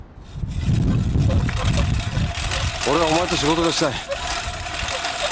俺はお前と仕事がしたい。